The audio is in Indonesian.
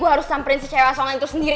gue harus samperin si cewe asongan itu sendiri